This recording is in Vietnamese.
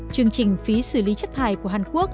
chương trình phí xử lý chất thải của hàn quốc